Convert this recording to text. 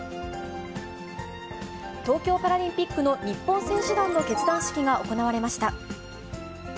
東京パラリンピックの日本選手団の結団式が行われました。